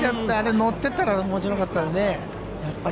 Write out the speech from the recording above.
乗ってたら面白かったのにね。